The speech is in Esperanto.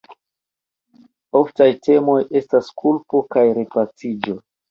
Oftaj temoj estas kulpo kaj repaciĝo.